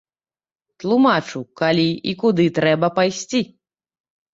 Тлумачу, калі і куды трэба пайсці.